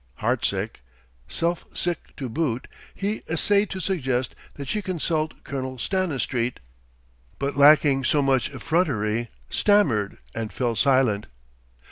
Heartsick, self sick to boot, he essayed to suggest that she consult Colonel Stanistreet, but lacking so much effrontery, stammered and fell silent.